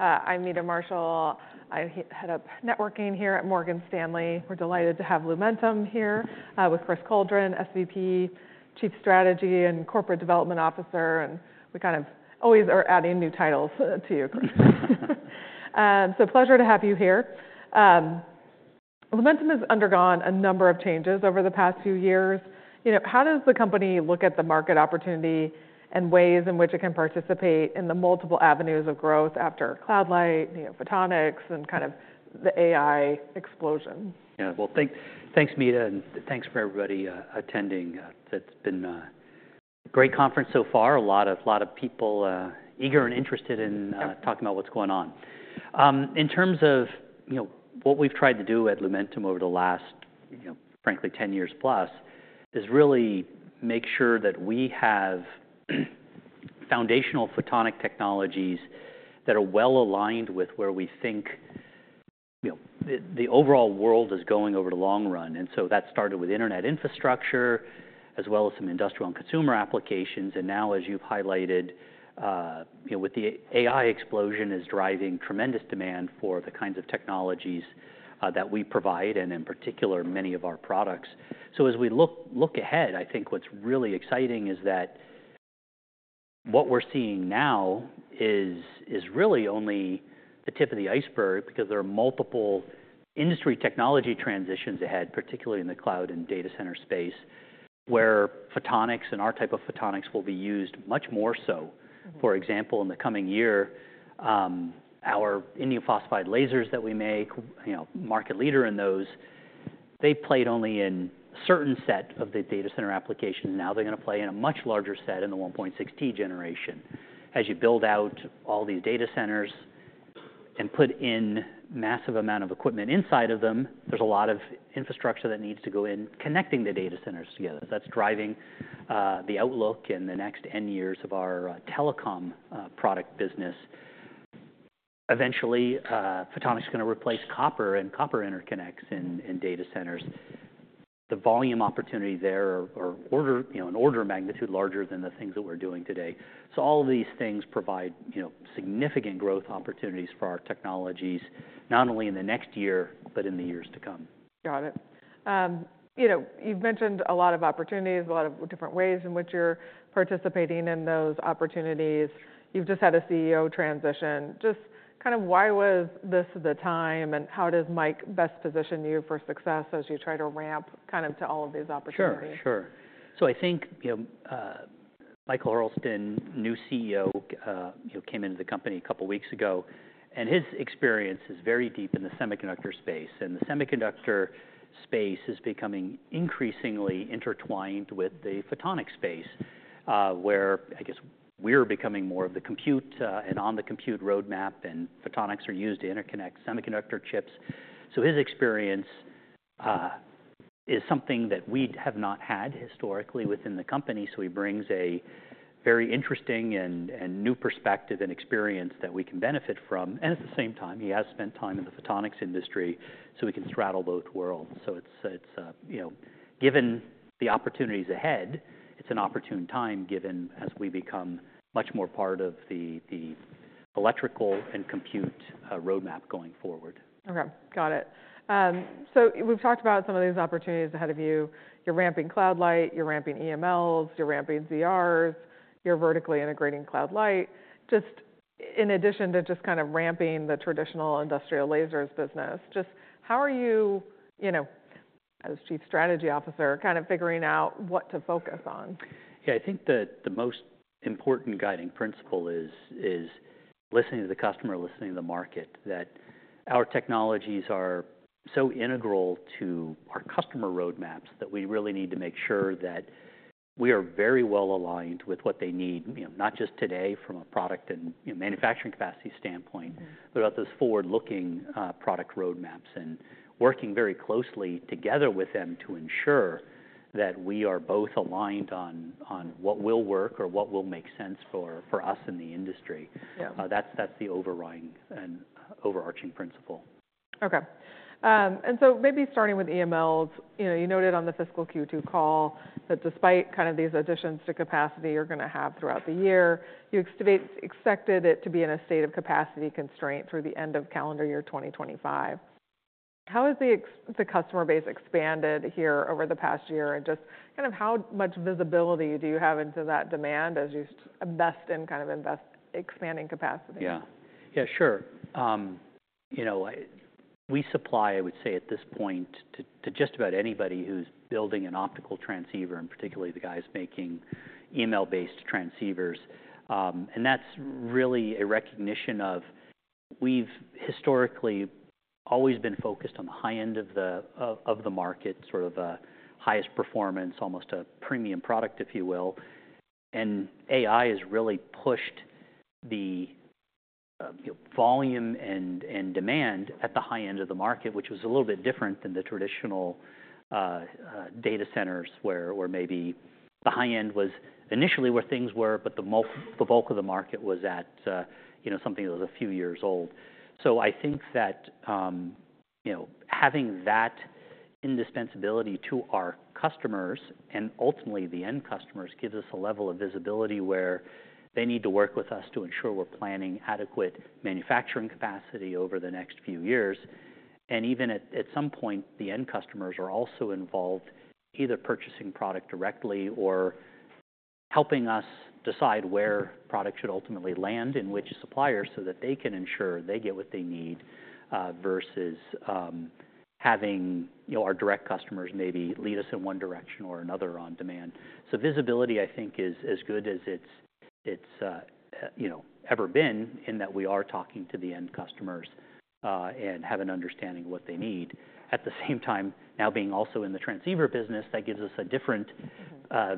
I'm Meta Marshall. I head up networking here at Morgan Stanley. We're delighted to have Lumentum here with Chris Coldren, SVP, Chief Strategy and Corporate Development Officer. And we kind of always are adding new titles to you, Chris. So pleasure to have you here. Lumentum has undergone a number of changes over the past few years. How does the company look at the market opportunity and ways in which it can participate in the multiple avenues of growth after Cloud Light, NeoPhotonics, and kind of the AI explosion? Yeah. Well, thanks, Meta, and thanks for everybody attending. That's been a great conference so far. A lot of people eager and interested in talking about what's going on. In terms of what we've tried to do at Lumentum over the last, frankly, 10 years plus, is really make sure that we have foundational photonic technologies that are well aligned with where we think the overall world is going over the long run. And so that started with internet infrastructure, as well as some industrial and consumer applications. And now, as you've highlighted, with the AI explosion, is driving tremendous demand for the kinds of technologies that we provide, and in particular, many of our products. So as we look ahead, I think what's really exciting is that what we're seeing now is really only the tip of the iceberg because there are multiple industry technology transitions ahead, particularly in the cloud and data center space, where photonics and our type of photonics will be used much more so. For example, in the coming year, our indium phosphide lasers that we make, market leader in those, they played only in a certain set of the data center applications. Now they're going to play in a much larger set in the 1.6T generation. As you build out all these data centers and put in a massive amount of equipment inside of them, there's a lot of infrastructure that needs to go in connecting the data centers together. So that's driving the outlook in the next 10 years of our telecom product business. Eventually, photonics is going to replace copper and copper interconnects in data centers. The volume opportunity there is an order of magnitude larger than the things that we're doing today. So all of these things provide significant growth opportunities for our technologies, not only in the next year, but in the years to come. Got it. You've mentioned a lot of opportunities, a lot of different ways in which you're participating in those opportunities. You've just had a CEO transition. Just kind of why was this the time and how does Mike best position you for success as you try to ramp kind of to all of these opportunities? Sure. Sure. So I think Michael Hurlston, new CEO, came into the company a couple of weeks ago. And his experience is very deep in the semiconductor space. And the semiconductor space is becoming increasingly intertwined with the photonic space, where I guess we're becoming more of the compute and on-the-computer roadmap. And photonics are used to interconnect semiconductor chips. So his experience is something that we have not had historically within the company. So he brings a very interesting and new perspective and experience that we can benefit from. And at the same time, he has spent time in the photonics industry, so we can straddle both worlds. So given the opportunities ahead, it's an opportune time given as we become much more part of the electrical and compute roadmap going forward. OK. Got it. So we've talked about some of these opportunities ahead of you. You're ramping Cloud Light. You're ramping EMLs. You're ramping ZRs. You're vertically integrating Cloud Light. Just in addition to just kind of ramping the traditional industrial lasers business, just how are you, as Chief Strategy Officer, kind of figuring out what to focus on? Yeah. I think that the most important guiding principle is listening to the customer, listening to the market, that our technologies are so integral to our customer roadmaps that we really need to make sure that we are very well aligned with what they need, not just today from a product and manufacturing capacity standpoint, but at those forward-looking product roadmaps and working very closely together with them to ensure that we are both aligned on what will work or what will make sense for us in the industry. That's the overarching principle. OK. And so maybe starting with EMLs, you noted on the fiscal Q2 call that despite kind of these additions to capacity you're going to have throughout the year, you expected it to be in a state of capacity constraint through the end of calendar year 2025. How has the customer base expanded here over the past year? And just kind of how much visibility do you have into that demand as you invest in kind of expanding capacity? Yeah. Yeah, sure. We supply, I would say, at this point, to just about anybody who's building an optical transceiver, and particularly the guys making EML-based transceivers. And that's really a recognition of we've historically always been focused on the high end of the market, sort of highest performance, almost a premium product, if you will. And AI has really pushed the volume and demand at the high end of the market, which was a little bit different than the traditional data centers, where maybe the high end was initially where things were, but the bulk of the market was at something that was a few years old. So I think that having that indispensability to our customers and ultimately the end customers gives us a level of visibility where they need to work with us to ensure we're planning adequate manufacturing capacity over the next few years. Even at some point, the end customers are also involved either purchasing product directly or helping us decide where product should ultimately land in which supplier so that they can ensure they get what they need versus having our direct customers maybe lead us in one direction or another on demand. Visibility, I think, is as good as it's ever been in that we are talking to the end customers and have an understanding of what they need. At the same time, now being also in the transceiver business, that gives us a different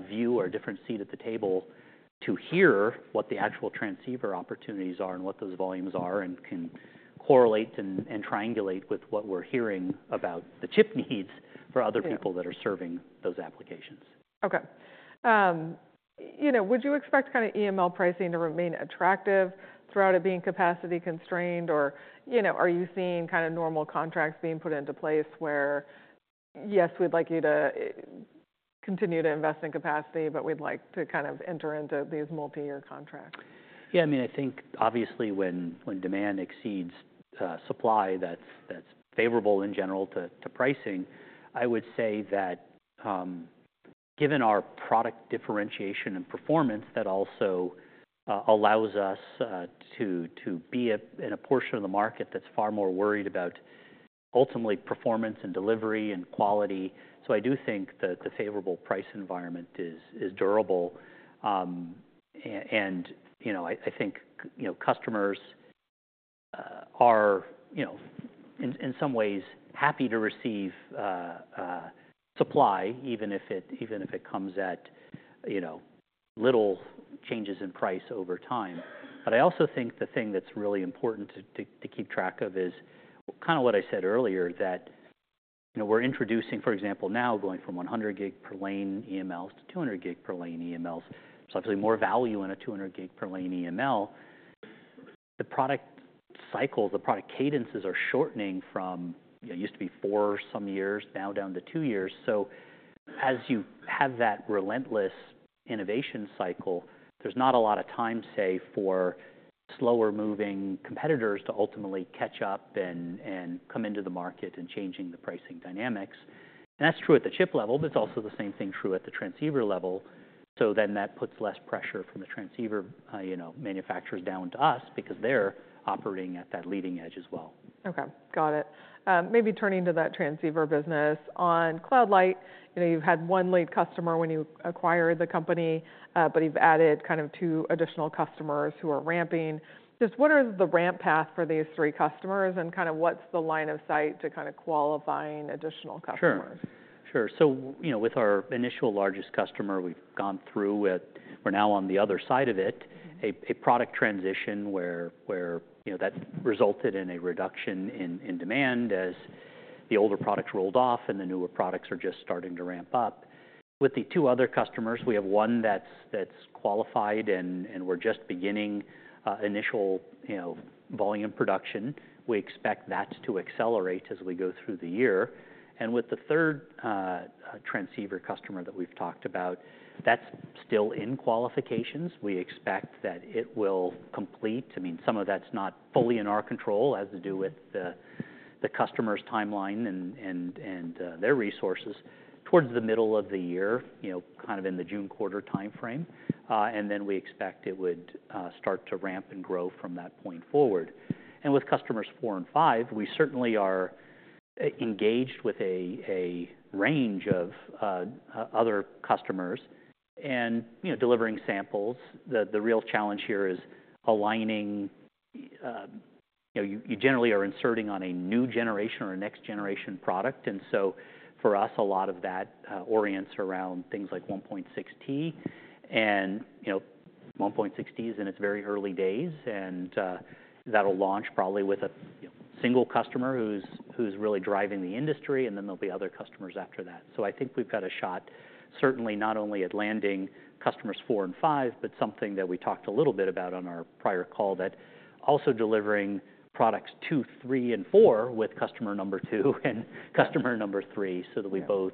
view or a different seat at the table to hear what the actual transceiver opportunities are and what those volumes are and can correlate and triangulate with what we're hearing about the chip needs for other people that are serving those applications. OK. Would you expect kind of EML pricing to remain attractive throughout it being capacity constrained? Or are you seeing kind of normal contracts being put into place where, yes, we'd like you to continue to invest in capacity, but we'd like to kind of enter into these multi-year contracts? Yeah. I mean, I think obviously when demand exceeds supply, that's favorable in general to pricing. I would say that given our product differentiation and performance, that also allows us to be in a portion of the market that's far more worried about ultimately performance and delivery and quality. So I do think that the favorable price environment is durable. And I think customers are in some ways happy to receive supply, even if it comes at little changes in price over time. But I also think the thing that's really important to keep track of is kind of what I said earlier, that we're introducing, for example, now going from 100 gig per lane EMLs to 200 gig per lane EMLs. There's obviously more value in a 200 gig per lane EML. The product cycles, the product cadences are shortening from what used to be four or so years, now down to two years. So as you have that relentless innovation cycle, there's not a lot of time save for slower-moving competitors to ultimately catch up and come into the market and changing the pricing dynamics, and that's true at the chip level, but it's also the same thing true at the transceiver level. So then that puts less pressure from the transceiver manufacturers down to us because they're operating at that leading edge as well. OK. Got it. Maybe turning to that transceiver business. On Cloud Light, you've had one lead customer when you acquired the company, but you've added kind of two additional customers who are ramping. Just what is the ramp path for these three customers? And kind of what's the line of sight to kind of qualifying additional customers? Sure. Sure. So with our initial largest customer, we've gone through, we're now on the other side of it, a product transition where that resulted in a reduction in demand as the older products rolled off and the newer products are just starting to ramp up. With the two other customers, we have one that's qualified and we're just beginning initial volume production. We expect that to accelerate as we go through the year. And with the third transceiver customer that we've talked about, that's still in qualifications. We expect that it will complete. I mean, some of that's not fully in our control as to do with the customer's timeline and their resources towards the middle of the year, kind of in the June quarter time frame. And then we expect it would start to ramp and grow from that point forward. And with customers four and five, we certainly are engaged with a range of other customers and delivering samples. The real challenge here is aligning. You generally are inserting on a new generation or a next generation product. And so for us, a lot of that orients around things like 1.6T. And 1.6T is in its very early days. And that'll launch probably with a single customer who's really driving the industry. And then there'll be other customers after that. So I think we've got a shot, certainly not only at landing customers four and five, but something that we talked a little bit about on our prior call, that also delivering products two, three, and four with customer number two and customer number three so that we both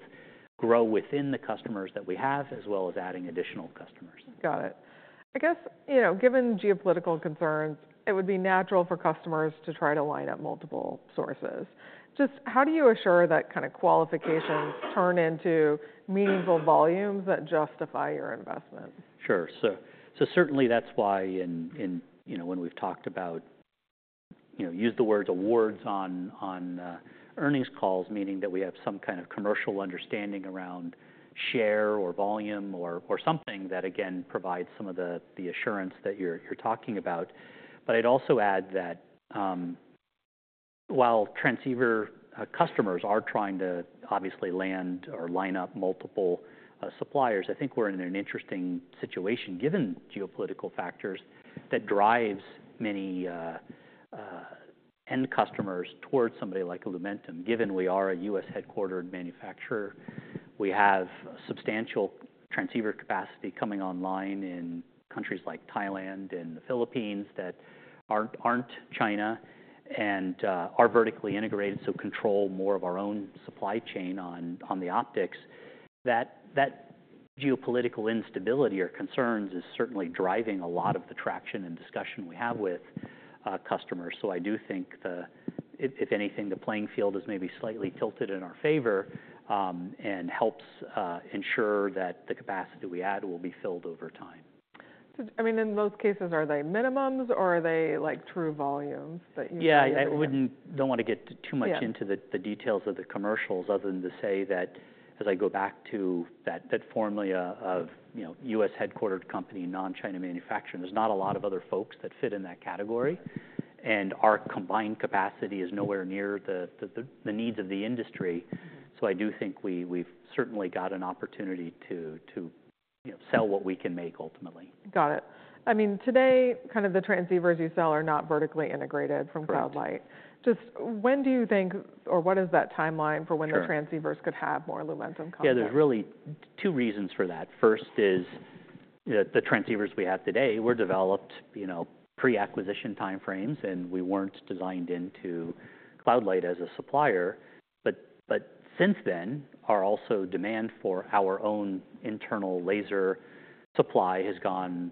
grow within the customers that we have, as well as adding additional customers. Got it. I guess given geopolitical concerns, it would be natural for customers to try to line up multiple sources. Just how do you assure that kind of qualifications turn into meaningful volumes that justify your investment? Sure. So certainly that's why when we've talked about, use the words awards on earnings calls, meaning that we have some kind of commercial understanding around share or volume or something that, again, provides some of the assurance that you're talking about. But I'd also add that while transceiver customers are trying to obviously land or line up multiple suppliers, I think we're in an interesting situation given geopolitical factors that drives many end customers towards somebody like Lumentum. Given we are a U.S.-headquartered manufacturer, we have substantial transceiver capacity coming online in countries like Thailand and the Philippines that aren't China and are vertically integrated, so control more of our own supply chain on the optics. That geopolitical instability or concerns is certainly driving a lot of the traction and discussion we have with customers. So I do think, if anything, the playing field is maybe slightly tilted in our favor and helps ensure that the capacity we add will be filled over time. I mean, in most cases, are they minimums or are they true volumes that you? Yeah. I don't want to get too much into the details of the commercials other than to say that as I go back to that formula of U.S.-headquartered company, non-China manufacturing, there's not a lot of other folks that fit in that category. And our combined capacity is nowhere near the needs of the industry. So I do think we've certainly got an opportunity to sell what we can make ultimately. Got it. I mean, today, kind of the transceivers you sell are not vertically integrated from Cloud Light. Just when do you think or what is that timeline for when the transceivers could have more Lumentum content? Yeah. There's really two reasons for that. First is the transceivers we have today, were developed pre-acquisition time frames. And we weren't designed into Cloud Light as a supplier. But since then, our own demand for our own internal laser supply has gone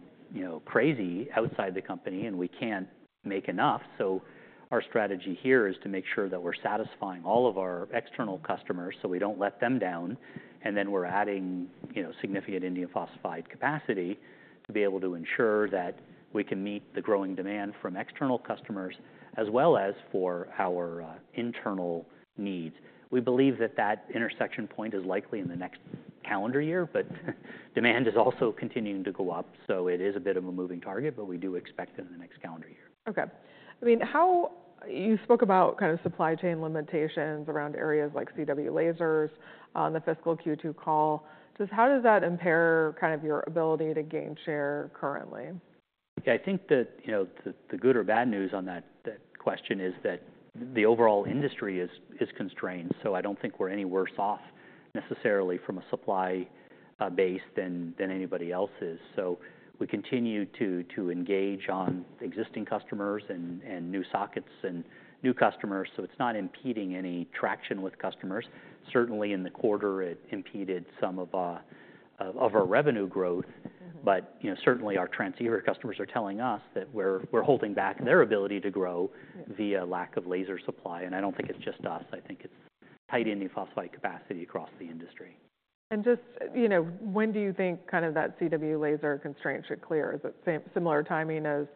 crazy outside the company. And we can't make enough. So our strategy here is to make sure that we're satisfying all of our external customers so we don't let them down. And then we're adding significant indium phosphide capacity to be able to ensure that we can meet the growing demand from external customers as well as for our internal needs. We believe that intersection point is likely in the next calendar year. But demand is also continuing to go up. So it is a bit of a moving target, but we do expect it in the next calendar year. OK. I mean, you spoke about kind of supply chain limitations around areas like CW lasers on the fiscal Q2 call. Just how does that impair kind of your ability to gain share currently? Yeah. I think that the good or bad news on that question is that the overall industry is constrained. So I don't think we're any worse off necessarily from a supply base than anybody else is. So we continue to engage on existing customers and new sockets and new customers. So it's not impeding any traction with customers. Certainly in the quarter, it impeded some of our revenue growth. But certainly our transceiver customers are telling us that we're holding back their ability to grow via lack of laser supply. And I don't think it's just us. I think it's tight indium phosphide capacity across the industry. And just when do you think kind of that CW laser constraint should clear? Is it similar timing as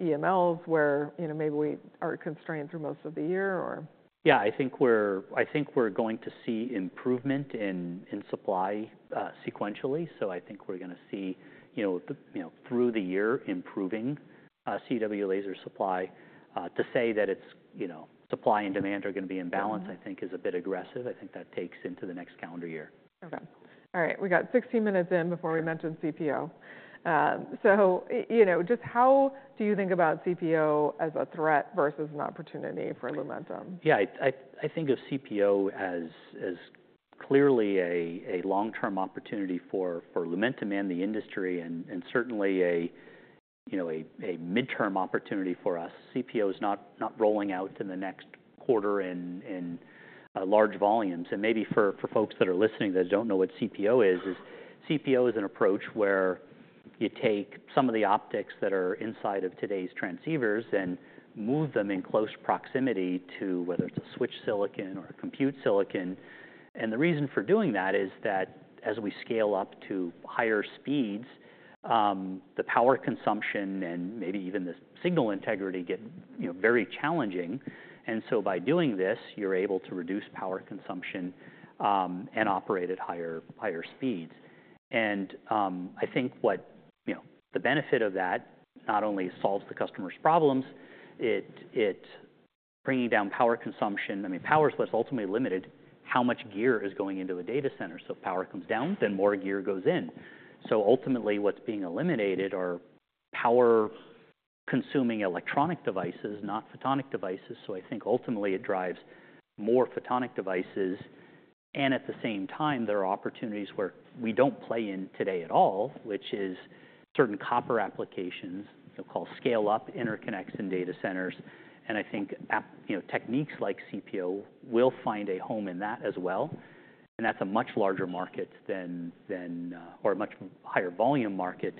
EMLs where maybe we are constrained through most of the year or? Yeah. I think we're going to see improvement in supply sequentially. So I think we're going to see through the year improving CW laser supply. To say that supply and demand are going to be in balance, I think is a bit aggressive. I think that takes into the next calendar year. OK. All right. We got 16 minutes in before we mentioned CPO. So just how do you think about CPO as a threat versus an opportunity for Lumentum? Yeah. I think of CPO as clearly a long-term opportunity for Lumentum and the industry and certainly a midterm opportunity for us. CPO is not rolling out in the next quarter in large volumes. And maybe for folks that are listening that don't know what CPO is, CPO is an approach where you take some of the optics that are inside of today's transceivers and move them in close proximity to whether it's a switch silicon or a compute silicon. And the reason for doing that is that as we scale up to higher speeds, the power consumption and maybe even the signal integrity get very challenging. And so by doing this, you're able to reduce power consumption and operate at higher speeds. And I think the benefit of that not only solves the customer's problems, it's bringing down power consumption. I mean, power is what's ultimately limited how much gear is going into a data center. So if power comes down, then more gear goes in. So ultimately, what's being eliminated are power-consuming electronic devices, not photonic devices. So I think ultimately it drives more photonic devices. And at the same time, there are opportunities where we don't play in today at all, which is certain copper applications called scale-up interconnects in data centers. And I think techniques like CPO will find a home in that as well. And that's a much larger market than or a much higher volume market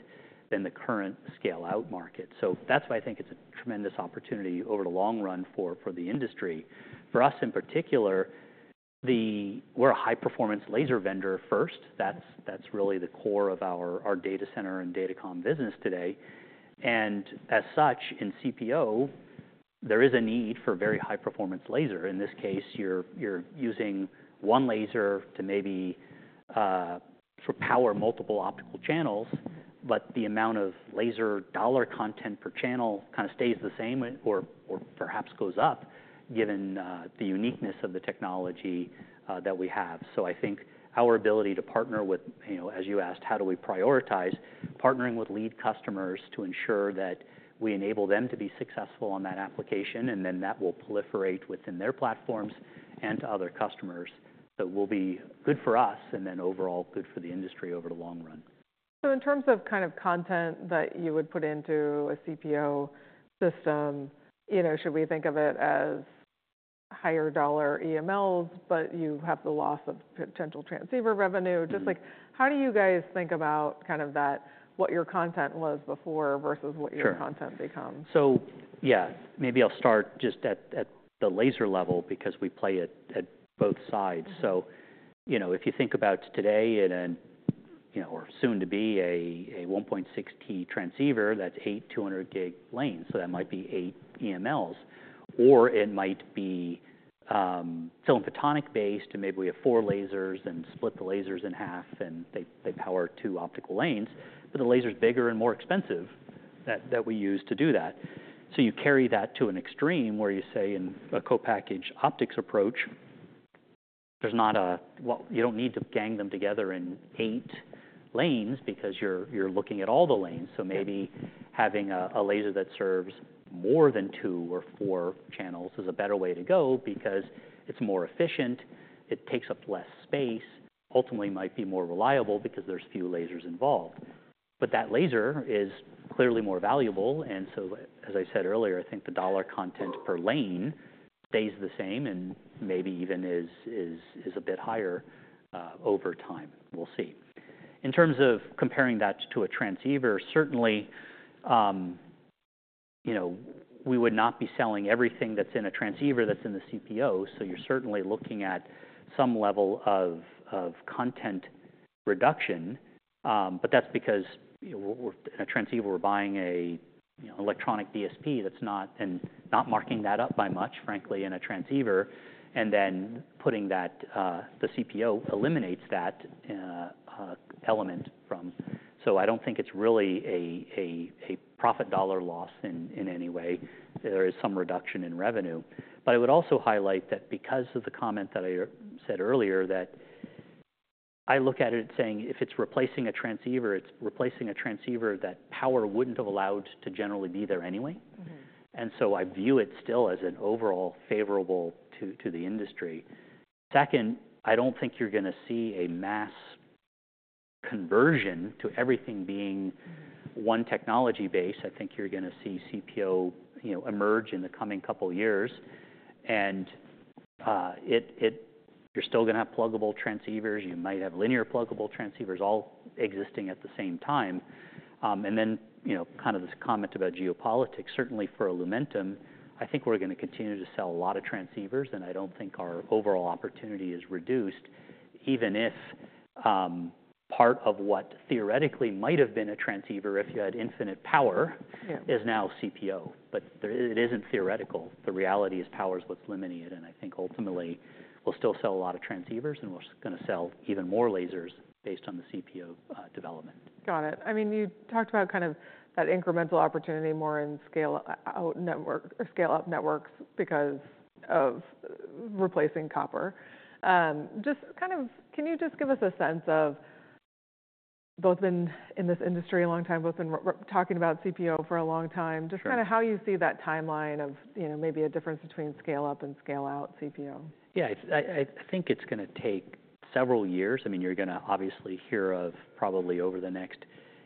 than the current scale-out market. So that's why I think it's a tremendous opportunity over the long run for the industry. For us in particular, we're a high-performance laser vendor first. That's really the core of our data center and datacom business today. And as such, in CPO, there is a need for very high-performance laser. In this case, you're using one laser to maybe power multiple optical channels. But the amount of laser dollar content per channel kind of stays the same or perhaps goes up given the uniqueness of the technology that we have. So I think our ability to partner with, as you asked, how do we prioritize, partnering with lead customers to ensure that we enable them to be successful on that application. And then that will proliferate within their platforms and to other customers. So it will be good for us and then overall good for the industry over the long run. So in terms of kind of content that you would put into a CPO system, should we think of it as higher dollar EMLs, but you have the loss of potential transceiver revenue? Just like, how do you guys think about kind of that, what your content was before versus what your content becomes? Sure. So yeah, maybe I'll start just at the laser level because we play at both sides. So if you think about today and/or soon-to-be a 1.6T transceiver, that's eight 200 gig lanes. So that might be eight EMLs. Or it might be photonic-based. And maybe we have four lasers and split the lasers in half. And they power two optical lanes. But the laser's bigger and more expensive that we use to do that. So you carry that to an extreme where you say in a co-packaged optics approach, there's not, you don't need to gang them together in eight lanes because you're looking at all the lanes. So maybe having a laser that serves more than two or four channels is a better way to go because it's more efficient. It takes up less space. Ultimately, it might be more reliable because there's few lasers involved. But that laser is clearly more valuable. And so as I said earlier, I think the dollar content per lane stays the same and maybe even is a bit higher over time. We'll see. In terms of comparing that to a transceiver, certainly we would not be selling everything that's in a transceiver that's in the CPO. So you're certainly looking at some level of content reduction. But that's because in a transceiver, we're buying an electronic DSP that's not and not marking that up by much, frankly, in a transceiver. And then putting that, the CPO eliminates that element from. So I don't think it's really a profit dollar loss in any way. There is some reduction in revenue. But I would also highlight that because of the comment that I said earlier, that I look at it saying if it's replacing a transceiver, it's replacing a transceiver that power wouldn't have allowed to generally be there anyway. And so I view it still as an overall favorable to the industry. Second, I don't think you're going to see a mass conversion to everything being one technology base. I think you're going to see CPO emerge in the coming couple of years. And you're still going to have pluggable transceivers. You might have linear pluggable transceivers all existing at the same time. And then kind of this comment about geopolitics, certainly for Lumentum, I think we're going to continue to sell a lot of transceivers. And I don't think our overall opportunity is reduced even if part of what theoretically might have been a transceiver if you had infinite power is now CPO. But it isn't theoretical. The reality is power is what's limiting it. And I think ultimately we'll still sell a lot of transceivers. And we're going to sell even more lasers based on the CPO development. Got it. I mean, you talked about kind of that incremental opportunity more in scale-up networks because of replacing copper. Just kind of can you just give us a sense of both been in this industry a long time, both been talking about CPO for a long time, just kind of how you see that timeline of maybe a difference between scale-up and scale-out CPO? Yeah. I think it's going to take several years. I mean, you're going to obviously hear of probably over the next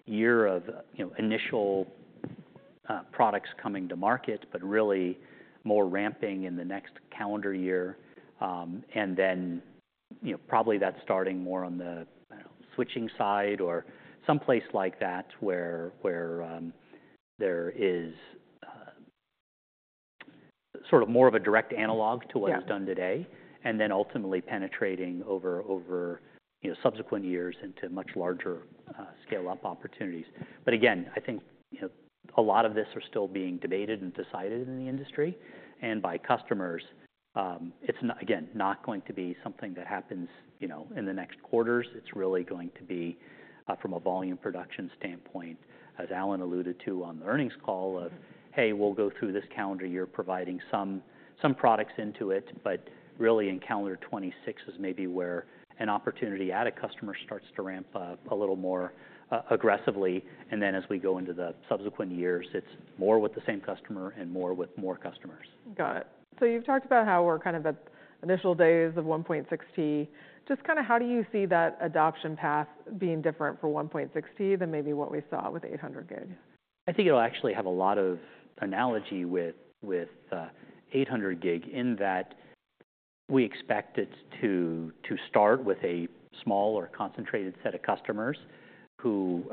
year of initial products coming to market, but really more ramping in the next calendar year. And then probably that's starting more on the switching side or someplace like that where there is sort of more of a direct analog to what is done today. And then ultimately penetrating over subsequent years into much larger scale-up opportunities. But again, I think a lot of this are still being debated and decided in the industry and by customers. It's again not going to be something that happens in the next quarters. It's really going to be from a volume production standpoint, as Alan alluded to on the earnings call of, hey, we'll go through this calendar year providing some products into it. But really in calendar 2026 is maybe where an opportunity at a customer starts to ramp up a little more aggressively. And then as we go into the subsequent years, it's more with the same customer and more with more customers. Got it. So you've talked about how we're kind of at initial days of 1.6T. Just kind of how do you see that adoption path being different for 1.6T than maybe what we saw with 800 gig? I think it'll actually have a lot of analogy with 800 gig in that we expect it to start with a small or concentrated set of customers who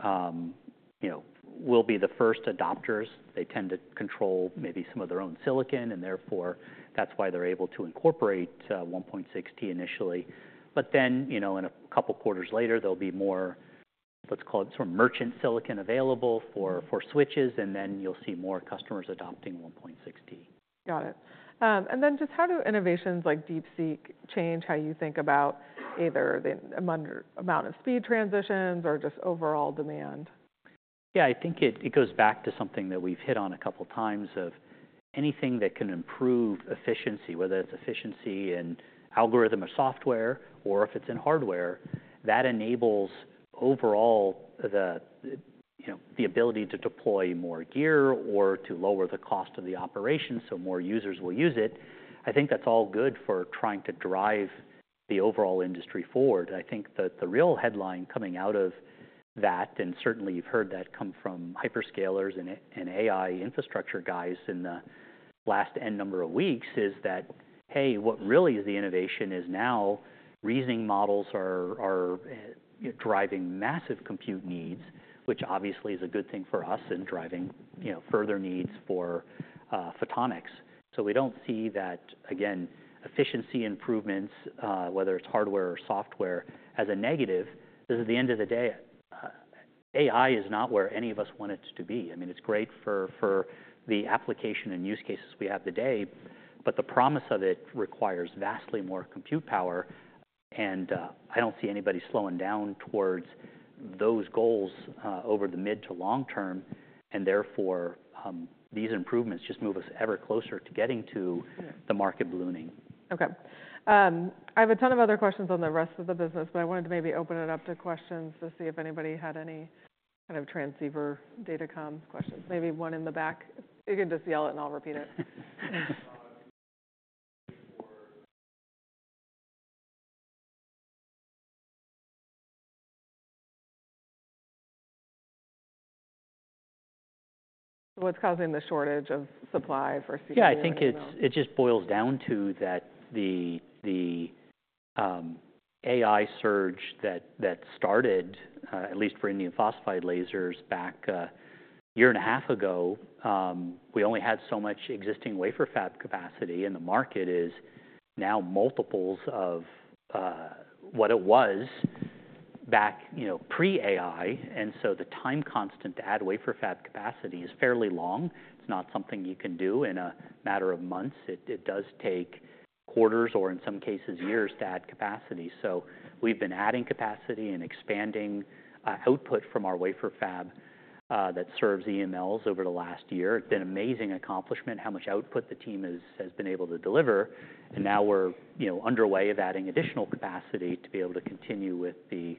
will be the first adopters. They tend to control maybe some of their own silicon. And therefore, that's why they're able to incorporate 1.6T initially. But then in a couple of quarters later, there'll be more, let's call it sort of merchant silicon available for switches. And then you'll see more customers adopting 1.6T. Got it. And then just how do innovations like DeepSeek change how you think about either the amount of speed transitions or just overall demand? Yeah. I think it goes back to something that we've hit on a couple of times of anything that can improve efficiency, whether it's efficiency in algorithm or software or if it's in hardware, that enables overall the ability to deploy more gear or to lower the cost of the operation so more users will use it. I think that's all good for trying to drive the overall industry forward. I think that the real headline coming out of that, and certainly you've heard that come from hyperscalers and AI infrastructure guys in the last number of weeks, is that, hey, what really is the innovation is now reasoning models are driving massive compute needs, which obviously is a good thing for us and driving further needs for photonics. So we don't see that, again, efficiency improvements, whether it's hardware or software, as a negative. Because at the end of the day, AI is not where any of us want it to be. I mean, it's great for the application and use cases we have today. But the promise of it requires vastly more compute power. And I don't see anybody slowing down towards those goals over the mid to long term. And therefore, these improvements just move us ever closer to getting to the market ballooning. OK. I have a ton of other questions on the rest of the business. But I wanted to maybe open it up to questions to see if anybody had any kind of transceiver datacom questions. Maybe one in the back. You can just yell it and I'll repeat it. What's causing the shortage of supply for CPO? Yeah. I think it just boils down to that the AI surge that started, at least for indium phosphide lasers back a year and a half ago, we only had so much existing wafer fab capacity. And the market is now multiples of what it was back pre-AI. And so the time constant to add wafer fab capacity is fairly long. It's not something you can do in a matter of months. It does take quarters or in some cases years to add capacity. So we've been adding capacity and expanding output from our wafer fab that serves EMLs over the last year. It's been an amazing accomplishment how much output the team has been able to deliver. And now we're underway of adding additional capacity to be able to continue with the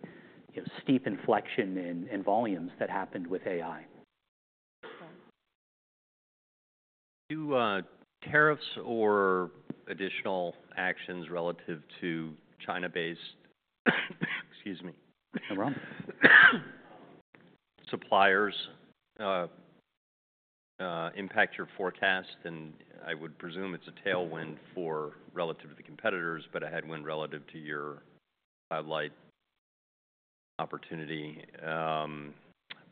steep inflection in volumes that happened with AI. Do tariffs or additional actions relative to China-based, excuse me? No problem. Suppliers impact your forecast? And I would presume it's a tailwind relative to the competitors, but a headwind relative to your Cloud Light opportunity.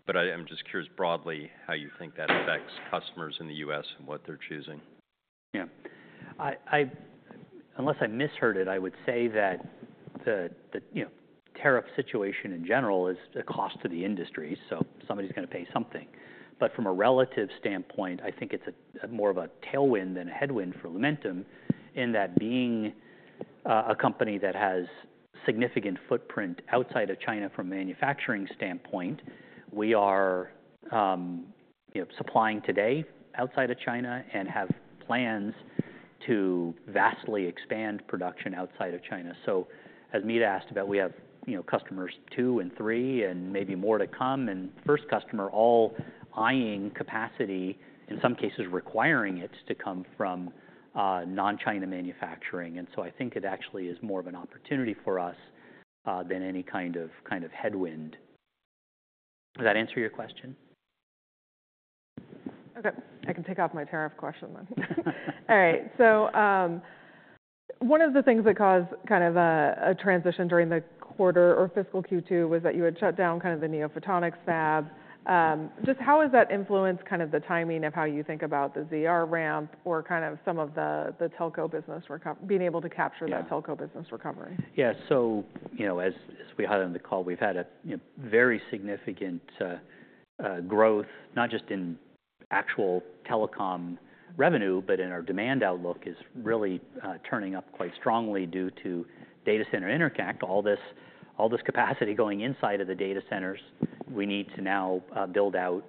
But I'm just curious broadly how you think that affects customers in the U.S. and what they're choosing. Yeah. Unless I misheard it, I would say that the tariff situation in general is a cost to the industry. So somebody's going to pay something. But from a relative standpoint, I think it's more of a tailwind than a headwind for Lumentum in that being a company that has significant footprint outside of China from a manufacturing standpoint, we are supplying today outside of China and have plans to vastly expand production outside of China. So as Meta asked about, we have customers two and three and maybe more to come. And first customer all eyeing capacity, in some cases requiring it to come from non-China manufacturing. And so I think it actually is more of an opportunity for us than any kind of headwind. Does that answer your question? OK. I can take off my tariff question then. All right. So one of the things that caused kind of a transition during the quarter or fiscal Q2 was that you had shut down kind of the NeoPhotonics fab. Just how has that influenced kind of the timing of how you think about the ZR ramp or kind of some of the telco business being able to capture that telco business recovery? Yeah. So as we had on the call, we've had a very significant growth, not just in actual telecom revenue, but in our demand outlook is really turning up quite strongly due to data center interconnect. All this capacity going inside of the data centers, we need to now build out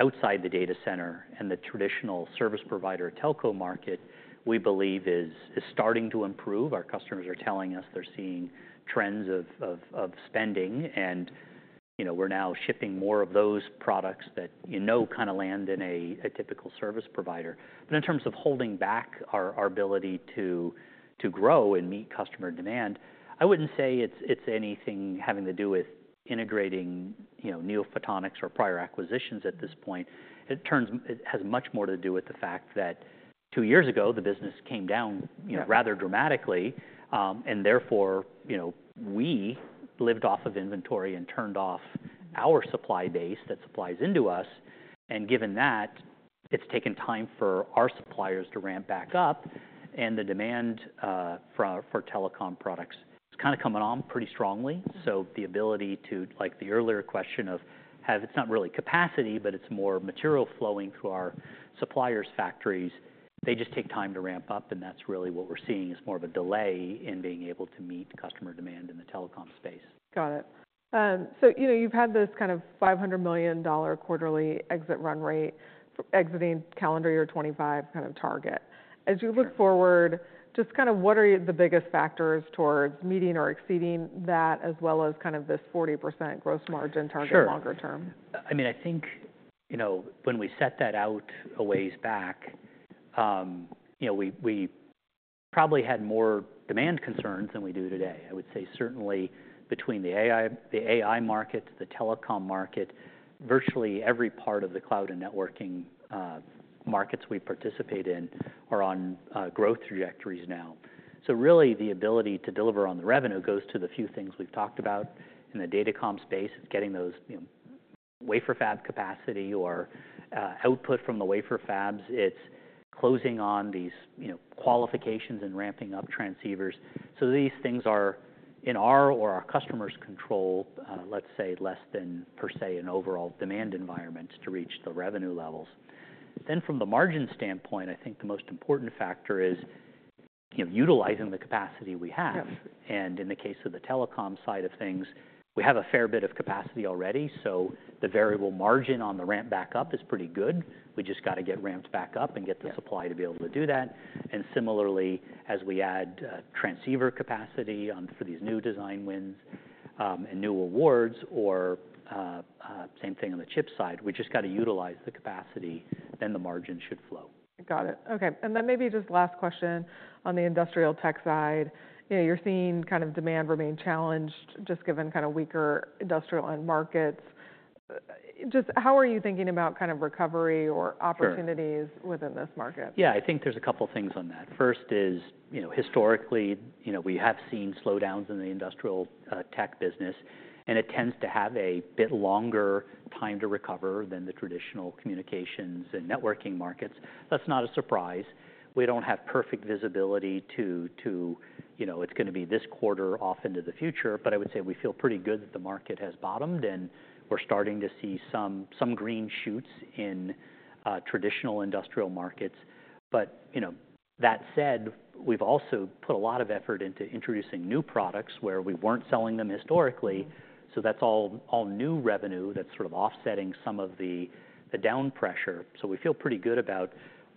outside the data center. And the traditional service provider telco market, we believe, is starting to improve. Our customers are telling us they're seeing trends of spending. And we're now shipping more of those products that you know kind of land in a typical service provider. But in terms of holding back our ability to grow and meet customer demand, I wouldn't say it's anything having to do with integrating NeoPhotonics or prior acquisitions at this point. It has much more to do with the fact that two years ago, the business came down rather dramatically. And therefore, we lived off of inventory and turned off our supply base that supplies into us. And given that, it's taken time for our suppliers to ramp back up. And the demand for telecom products is kind of coming on pretty strongly. So the ability to, like the earlier question of, it's not really capacity, but it's more material flowing through our suppliers' factories. They just take time to ramp up. And that's really what we're seeing is more of a delay in being able to meet customer demand in the telecom space. Got it. So you've had this kind of $500 million quarterly exit run rate exiting calendar year 2025 kind of target. As you look forward, just kind of what are the biggest factors towards meeting or exceeding that, as well as kind of this 40% gross margin target longer term? Sure. I mean, I think when we set that out a ways back, we probably had more demand concerns than we do today. I would say certainly between the AI market, the telecom market, virtually every part of the cloud and networking markets we participate in are on growth trajectories now. So really, the ability to deliver on the revenue goes to the few things we've talked about in the datacom space. It's getting those wafer fab capacity or output from the wafer fabs. It's closing on these qualifications and ramping up transceivers. So these things are in our or our customer's control, let's say, less than per se an overall demand environment to reach the revenue levels. Then from the margin standpoint, I think the most important factor is utilizing the capacity we have. In the case of the telecom side of things, we have a fair bit of capacity already. So the variable margin on the ramp back up is pretty good. We just got to get ramped back up and get the supply to be able to do that. Similarly, as we add transceiver capacity for these new design wins and new awards or same thing on the chip side, we just got to utilize the capacity. The margin should flow. Got it. OK, and then maybe just last question on the industrial tech side. You're seeing kind of demand remain challenged just given kind of weaker industrial end markets. Just how are you thinking about kind of recovery or opportunities within this market? Yeah. I think there's a couple of things on that. First is historically, we have seen slowdowns in the industrial tech business. And it tends to have a bit longer time to recover than the traditional communications and networking markets. That's not a surprise. We don't have perfect visibility to how it's going to be this quarter off into the future. But I would say we feel pretty good that the market has bottomed. And we're starting to see some green shoots in traditional industrial markets. But that said, we've also put a lot of effort into introducing new products where we weren't selling them historically. So that's all new revenue that's sort of offsetting some of the down pressure. So we feel pretty good about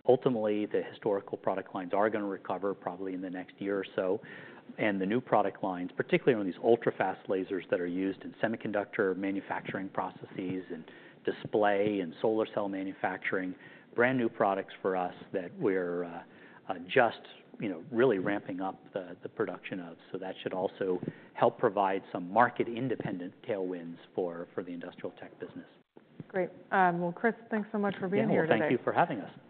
ultimately the historical product lines are going to recover probably in the next year or so. And the new product lines, particularly on these ultrafast lasers that are used in semiconductor manufacturing processes and display and solar cell manufacturing, brand new products for us that we're just really ramping up the production of. So that should also help provide some market-independent tailwinds for the industrial tech business. Great. Well, Chris, thanks so much for being here today. Thank you for having us.